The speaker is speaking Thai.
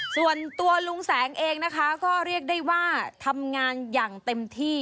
ส่วนตัวลุงแสงเองนะคะก็เรียกได้ว่าทำงานอย่างเต็มที่